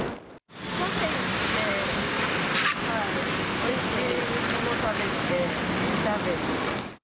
カフェ行って、おいしいもの食べて、おしゃべり。